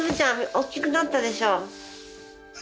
おっきくなったでしょ？